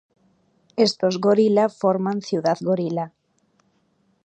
Estos gorila forman Ciudad Gorila.